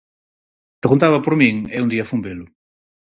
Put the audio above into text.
Preguntaba por min, e un día fun velo.